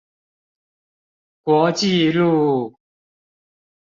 國際路